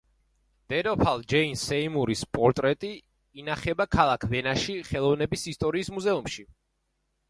დედოფალ ჯეინ სეიმურის პორტრეტი ინახება ქალაქ ვენაში, ხელოვნების ისტორიის მუზეუმში.